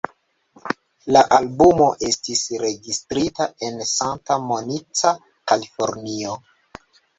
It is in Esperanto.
La albumo estis registrita en Santa Monica, Kalifornio.